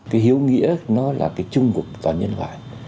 cái hiếu nghĩa nó là cái chung của toàn nhân loại